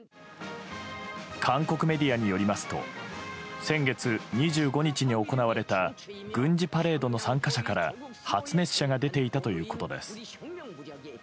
韓国メディアによりますと先月２５日に行われた軍事パレードの参加者から発熱者が出ていたということです。